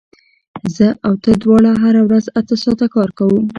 زه او ته دواړه هره ورځ اته ساعته کار کوو